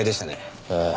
ああ。